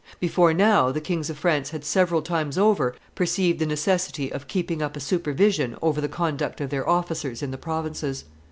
Before now the kings of France had several times over perceived the necessity of keeping up a supervision over the conduct of their officers in the provinces.